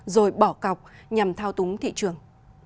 rồi bỏ cọc nhằm thao túng thị trường